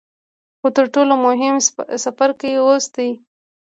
خو تر ټولو مهم څپرکی اوس دی.